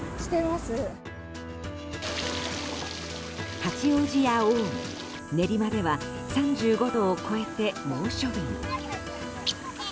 八王子や青梅、練馬では３５度を超えて猛暑日に。